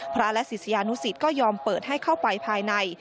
พระและศิษยานุสิตก็ยอมเปิดให้เข้าไปภายใน